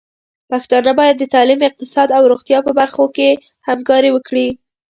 پښتانه بايد د تعليم، اقتصاد او روغتيا په برخو کې همکاري وکړي.